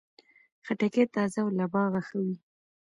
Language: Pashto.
خټکی تازه او له باغه ښه وي.